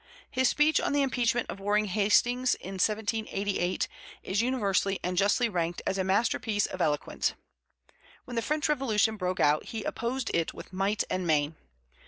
His speech on the impeachment of Warren Hastings in 1788 is universally and justly ranked as a masterpiece of eloquence. When the French Revolution broke out, he opposed it with might and main.